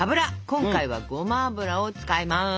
今回はごま油を使います。